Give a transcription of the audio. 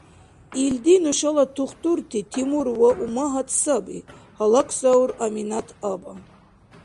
— Илди нушала тухтурти Тимур ва Умагьат саби! — гьалаксаур Аминат-аба.